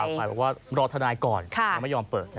เรื่องราวว่ารอทนายก่อนไม่ยอมเปิด